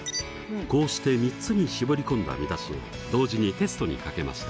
こうして３つに絞り込んだ見出しを同時にテストにかけました。